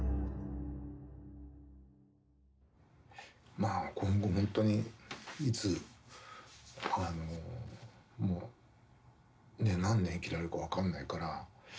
まあ今後ほんとにいつあのもう何年生きられるか分かんないから。